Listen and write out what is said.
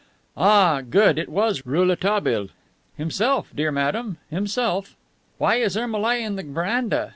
Ah, good! it was Rouletabille. "Himself, dear madame; himself." "Why is Ermolai in the veranda?